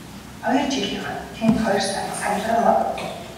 Хоёр жилийн хойно тэнд хоёр сайхан саглагар мод ургав.